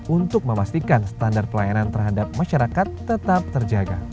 untuk memastikan standar pelayanan terhadap masyarakat tetap terjaga